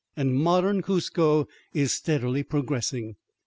And modern Cuzco is steadily progressing.